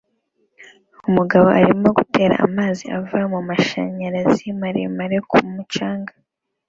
Umugabo arimo gutera amazi ava mumashanyarazi maremare ku mucanga